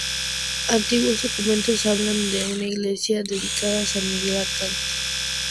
Antiguos documentos hablan de una iglesia dedicada a San Miguel Arcángel.